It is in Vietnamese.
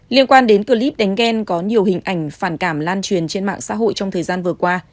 liên quan đến clip đánh ghen có nhiều hình ảnh phản cảm lan truyền trên mạng xã hội trong thời gian vừa qua